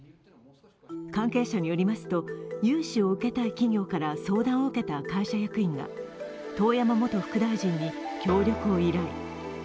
関係者によりますと、融資を受けたい企業から相談を受けた会社役員が遠山元副大臣に協力を依頼。